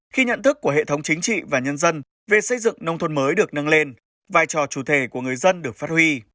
khi nhận thức của hệ thống chính trị và nhân dân về xây dựng nông thôn mới được nâng lên vai trò chủ thể của người dân được phát huy